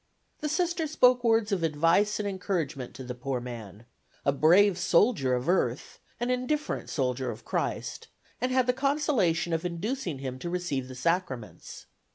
The Sister spoke words of advice and encouragement to the poor man a brave soldier of earth, an indifferent soldier of Christ and had the consolation of inducing him to receive the sacraments.